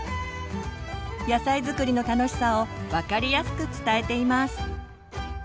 野菜づくりの楽しさを分かりやすく伝えています。